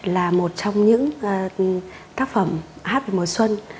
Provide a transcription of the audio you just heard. là một trong những tác phẩm hát về mùa xuân